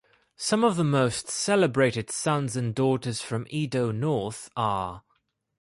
Some of the most celebrated sons and daughters from Edo North are